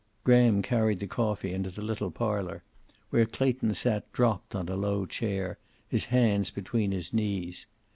Graham carried the coffee into the little parlor, where Clayton sat dropped on a low chair, his hands between his knees.